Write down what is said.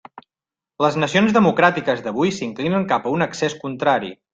Les nacions democràtiques d'avui s'inclinen cap a un excés contrari.